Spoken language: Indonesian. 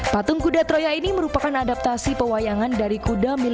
patung kuda troya ini merupakan adaptasi pewayangan dari kuda milik